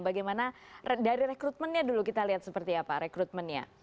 bagaimana dari rekrutmennya dulu kita lihat seperti apa rekrutmennya